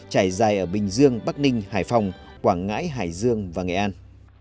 trải dài ở bình dương bắc ninh hải phòng quảng ngãi hải dương và nghệ an